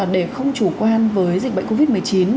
để không chủ quan với dịch bệnh covid một mươi chín